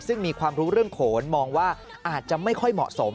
ซึ่งมีความรู้เรื่องโขนมองว่าอาจจะไม่ค่อยเหมาะสม